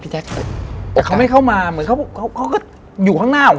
แต่เขาไม่เข้ามาเหมือนเขาอยู่ข้างหน้าของเขาอย่างนั้น